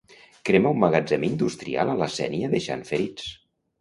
Crema un magatzem industrial a la Sénia deixant ferits.